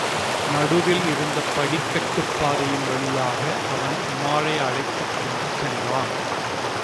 நடுவில் இருந்த படிக்கட்டுப் பாதையின் வழியாக அவன் உமாரை யழைத்துக் கொண்டு சென்றான்.